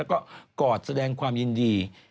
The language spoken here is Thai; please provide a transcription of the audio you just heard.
แล้วก็กอดแสดงความยินดี